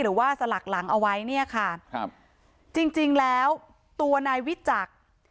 หรือว่าสลักหลังเอาไว้เนี่ยค่ะครับจริงจริงแล้วตัวนายวิจักร